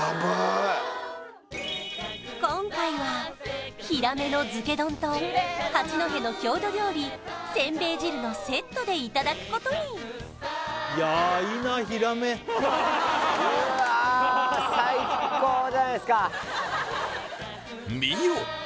今回はヒラメの漬け丼と八戸の郷土料理せんべい汁のセットでいただくことに見よ！